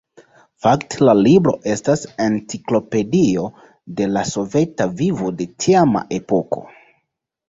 Fakte la libro estas enciklopedio de la soveta vivo de tiama epoko.